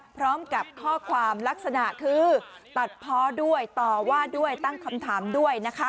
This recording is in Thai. พร้อมกับข้อความลักษณะคือตัดเพาะด้วยต่อว่าด้วยตั้งคำถามด้วยนะคะ